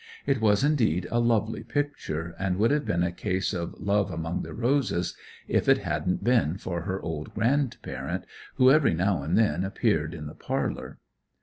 It was indeed a lovely picture, and would have been a case of "love among the roses" if it hadn't been for her old grandparent, who every now and then appeared in the parlor.